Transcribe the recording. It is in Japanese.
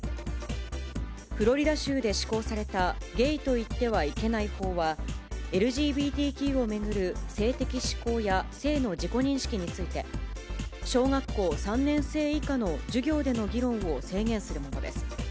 フロリダ州で施行されたゲイと言ってはいけない法は、ＬＧＢＴＱを巡る性的指向や性の自己認識について、小学校３年生以下の授業での議論を制限するものです。